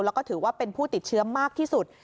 แล้วก็ถือว่าเป็นผู้ติดเชื้อมากที่สุด